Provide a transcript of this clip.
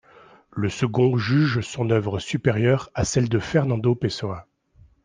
Le second juge son œuvre supérieure à celle de Fernando Pessoa.